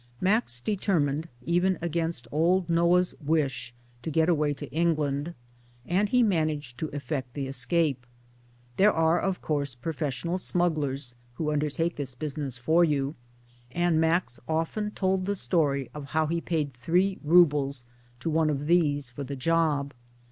Max determined even against old Noah's wish to get away to England ; and he managed to effect the escape. There are of course professional smugglers who undertake this business for you ; and Max often told the story of how he paid three roubles to one of these for the job.